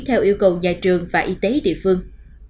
theo yêu cầu nhà trường và y tế địa phương